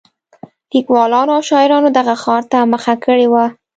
لیکوالانو او شاعرانو دغه ښار ته مخه کړې وه.